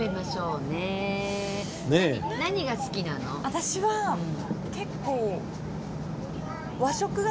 私は結構。